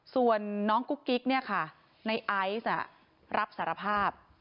ส่วนน้องกุ๊กกิ๊กเนี่ยค่ะในไอซ์รับสารภาพ